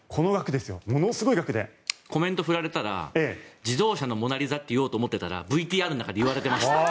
コメント振られたら自動車の「モナリザ」と言おうと思っていたらＶＴＲの中でいわれていました。